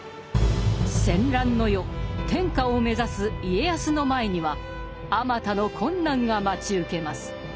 戦乱の世天下を目指す家康の前にはあまたの困難が待ち受けます。